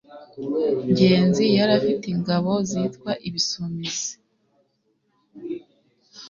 ngenzi yari afite ingabo zitwa “Ibisumizi”